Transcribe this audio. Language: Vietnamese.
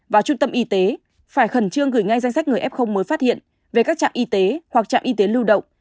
và trung tâm y tế phải khẩn trương gửi ngay danh sách người f mới phát hiện về các trạm y tế hoặc trạm y tế lưu động